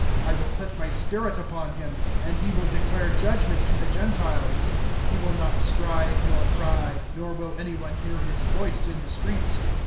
I will put my spirit upon him, And he will declare judgment to the Gentiles. (19)He will not strive, nor cry; Nor will any one hear his voice in the streets.